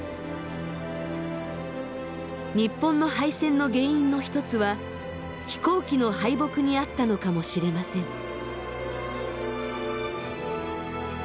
日本の敗戦の原因の一つは飛行機の敗北にあったのかもしれません。